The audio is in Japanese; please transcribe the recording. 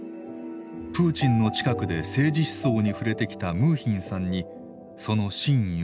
プーチンの近くで政治思想に触れてきたムーヒンさんにその真意を問いました。